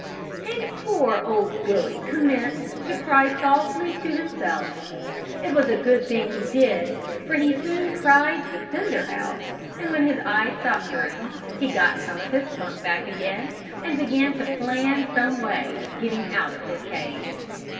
And poor old Billy commenced to cry softly to himself. It was a good thing he did for he soon cried the cinder out and when his eye stopped hurting, he got some of his spunk back again and began to plan some way of getting out of his cage.